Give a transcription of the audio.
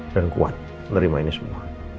dan kuat nerima ini semua